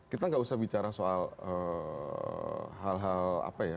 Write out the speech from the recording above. kita nggak usah bicara soal hal hal apa ya